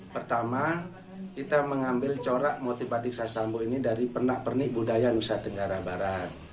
pertama kita mengambil corak motif batik sasambu ini dari pernak pernik budaya nusa tenggara barat